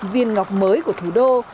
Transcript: viên ngọc mới của thủ đô